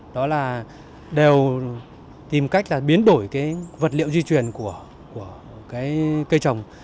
đó là đều tìm cách biến đổi vật liệu di truyền của cây trồng